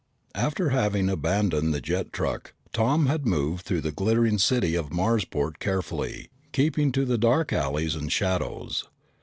After having abandoned the jet truck, Tom had moved through the glittering city of Marsport carefully, keeping to the dark alleys and shadows.